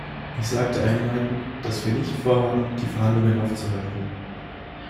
Ich sagte einleitend, dass wir nicht vorhaben, die Verhandlungen aufzuhalten.